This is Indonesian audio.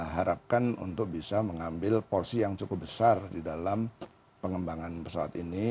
harapkan untuk bisa mengambil porsi yang cukup besar di dalam pengembangan pesawat ini